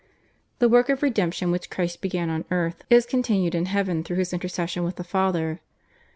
The work of redemption which Christ began on earth is continued in Heaven through His intercession with the Father.